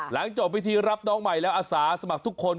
หลังจบพิธีรับน้องใหม่แล้วอาสาสมัครทุกคน